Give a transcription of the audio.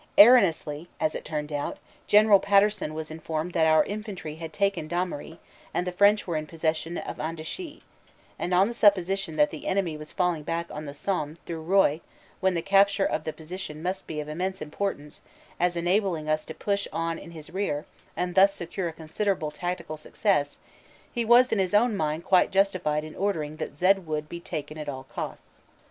Erroneously as it turned out, General Pater son was informed that our infantry had taken Damery and the French were in possession of Andechy, and on the supposition that the enemy was falling back on the Somme through Roye when the capture of the position must be of immense import ance as enabling us to push in on his rear and thus secure a considerable tactical success he was in his own mind quite justified in ordering that Zed Wood be taken at all costs.